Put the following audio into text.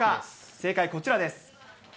正解こちらです。